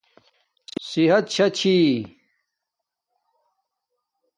صحت شا چھی